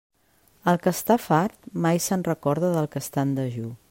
El que està fart mai se'n recorda del que està en dejú.